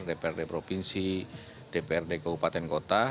dprd provinsi dprd kabupaten kota